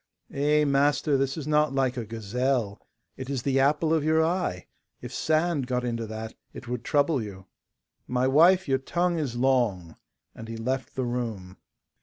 'Eh, master, this is not like a gazelle. It is the apple of your eye. If sand got into that, it would trouble you.' 'My wife, your tongue is long,' and he left the room.